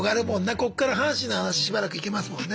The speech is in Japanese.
ここから阪神の話しばらくいけますもんね。